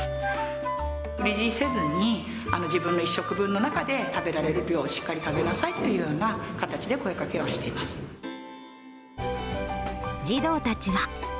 無理強いせずに、自分の１食分の中で食べられる量をしっかり食べなさいというよう児童たちは。